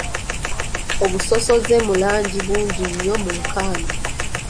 Obusosoze mu langi bungi nnyo mu nkambi.